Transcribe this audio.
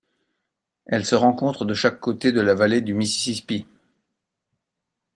Elle se rencontre de chaque côté de la vallée du Mississippi.